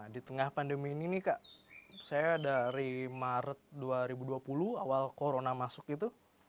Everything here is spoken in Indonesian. di tengah pandemi ini saya dari maret dua ribu dua puluh